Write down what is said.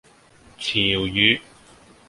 潮語